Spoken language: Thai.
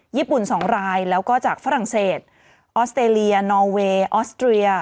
๒รายแล้วก็จากฝรั่งเศสออสเตรเลียนอเวย์ออสเตรีย